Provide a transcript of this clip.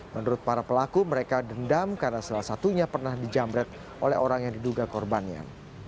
menurut para pelaku mereka dendam karena salah satunya pernah dijamret oleh orang yang diduga korbannya